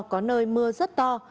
có nơi mưa rất to